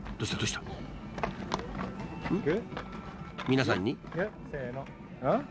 ［皆さんに？］